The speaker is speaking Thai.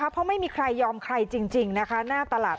เพราะไม่มีใครยอมใครจริงนะคะหน้าตลาด